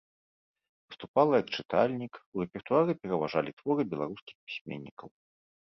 Выступала як чытальнік, у рэпертуары пераважалі творы беларускіх пісьменнікаў.